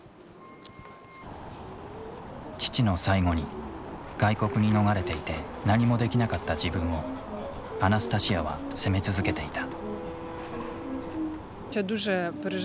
父の最期に外国に逃れていて何もできなかった自分をアナスタシアは責め続けていた。